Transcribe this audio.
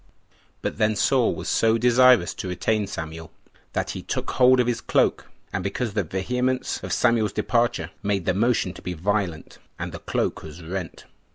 5. But then Saul was so desirous to retain Samuel, that he took hold of his cloak, and because the vehemence of Samuel's departure made the motion to be violent, the cloak was rent.